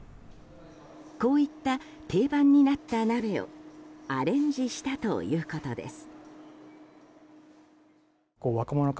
こういった定番になった鍋をアレンジしたということです。